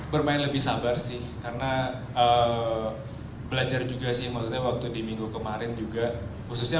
bermain lebih sabar sih karena belajar juga sih maksudnya waktu di minggu kemarin juga khususnya